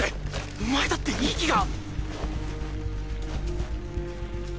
お前だって息が！